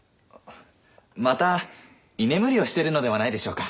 また居眠りをしているのではないでしょうか？